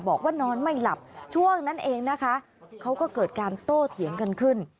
บอกว่านอนไม่หลับช่วงนั้นเองนะคะเขาก็เกิดการโต้เถียงกันขึ้น